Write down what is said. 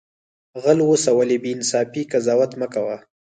غل اوسه ولی بی انصافی قضاوت مکوه